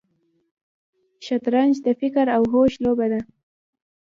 شطرنج د فکر او هوش لوبه ده.